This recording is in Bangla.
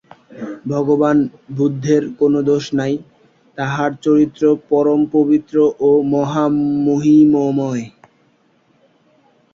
ভগবান বুদ্ধের কোন দোষ নাই, তাঁহার চরিত্র পরম পবিত্র ও মহামহিমময়।